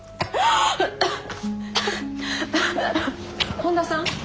本田さん